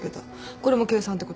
これも計算ってこと？